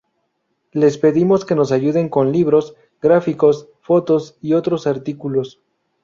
Les pedimos que nos ayuden con libros, gráficos, fotos y otros artículos.